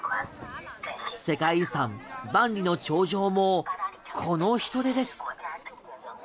世界遺産・万里の長城もこの人出です。